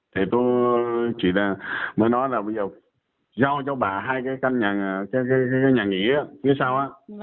thì tôi chỉ là mới nói là bây giờ giao cho bà hai cái căn nhà nghỉ phía sau